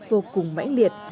vô cùng mãnh liệt